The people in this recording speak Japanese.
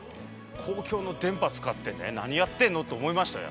公共の電波使ってね何やってんのと思いましたよ。